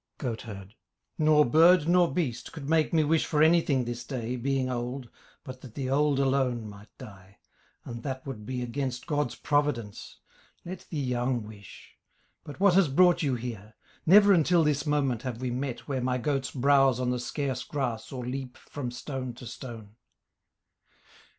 GOATHERD Nor bird nor beast Could make me wish for anything this day, Being old, but that the old alone might die, And that would be against God's Providence. Let the young wish. But what has brought you here? Never until this moment have we met Where my goats browse on the scarce grass or leap From stone to stone.